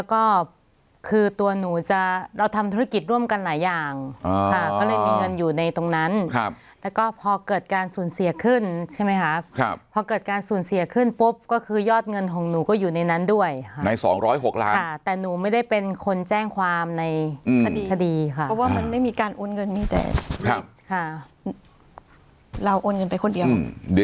ก็คือตัวหนูจะเราทำธุรกิจร่วมกันหลายอย่างค่ะก็เลยมีเงินอยู่ในตรงนั้นแล้วก็พอเกิดการสูญเสียขึ้นใช่ไหมคะพอเกิดการสูญเสียขึ้นปุ๊บก็คือยอดเงินของหนูก็อยู่ในนั้นด้วยค่ะใน๒๐๖ล้านค่ะแต่หนูไม่ได้เป็นคนแจ้งความในคดีค่ะเพราะว่ามันไม่มีการโอนเงินมีแต่เราโอนเงินไปคนเดียว